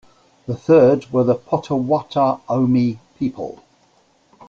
The third were the Potawatomi people.